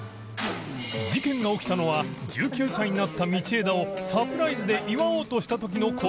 事件が起きたのは１９歳になった道枝をサプライズで祝おうとした時の事